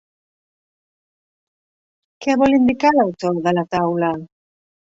Què vol indicar l'autor de la taula?